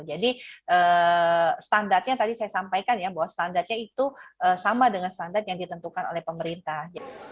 jadi standarnya tadi saya sampaikan ya bahwa standarnya itu sama dengan standar yang ditentukan oleh pemerintah